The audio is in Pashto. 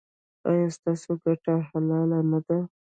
ایا ستاسو ګټه حلاله نه ده؟